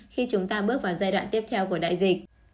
khi chúng ta bước vào giai đoạn tiếp theo của đại dịch